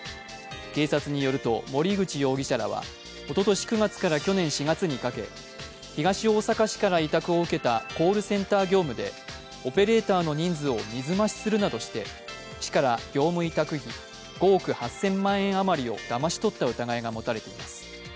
警察によると森口容疑者らはおととし９月から去年４月にかけ東大阪市から委託を受けたコールセンター業務で、オペレーターの人数を水増しするなどして市から業務委託費、５億８０００万円余りをだまし取った疑いが持たれています。